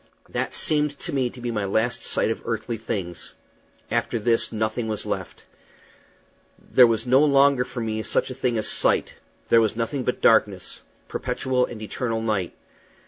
That seemed to me to be my last sight of earthly things. After this nothing was left. There was no longer for me such a thing as sight; there was nothing but darkness perpetual and eternal night.